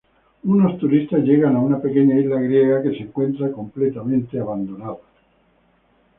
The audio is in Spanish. Unos turistas llegan a una pequeña isla griega, que se encuentra completamente abandonada.